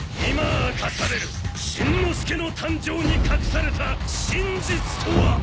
今明かされるしんのすけの誕生に隠された真実とは！？